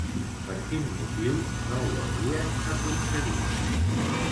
Per quin motiu no ho havien aconseguit?